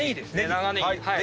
長ネギ。